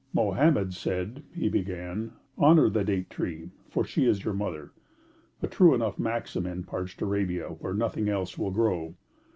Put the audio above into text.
'Mohammed said,' he began, 'honour the date tree, for she is your mother,' a true enough maxim in parched Arabia, where nothing else will grow.